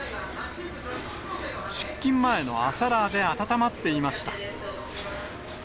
出勤前の朝ラーで温まっていました。